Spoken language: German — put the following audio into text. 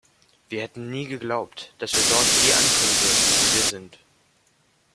Wir hätten nie geglaubt, dass wir dort je ankommen würden, wo wir sind.